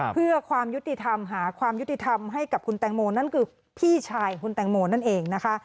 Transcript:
เพื่อความยุติธรรมหาความยุติธรรมให้กับคุณแตงโมนั่นคือพี่ชายคุณแตงโมนั่นเองนะคะ